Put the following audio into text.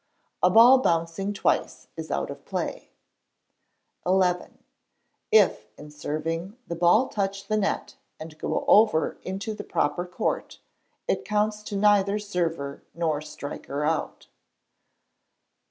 A ball bouncing twice is out of play. xi. If, in serving, the ball touch the net and go over into the proper court, it counts to neither server nor striker out.